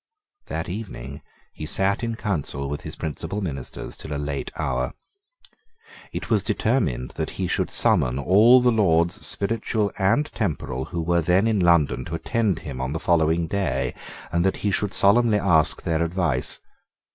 That evening he sate in Council with his principal ministers, till a late hour. It was determined that he should summon all the Lords Spiritual and Temporal who were then in London to attend him on the following day, and that he should solemnly ask their advice.